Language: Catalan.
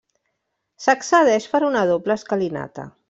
S'accedeix per una doble escalinata.